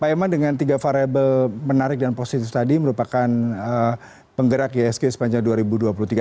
pak iman dengan tiga variable menarik dan positif tadi merupakan penggerak isg sepanjang dua ribu dua puluh tiga